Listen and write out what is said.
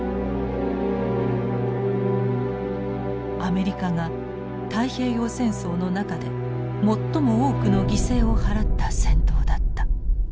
アメリカが太平洋戦争の中で最も多くの犠牲を払った戦闘だった。